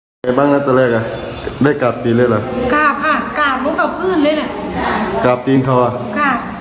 คือหมายความว่าค่าเขาจะเอาชีวิตขึ้นมาเพราะจากนั้น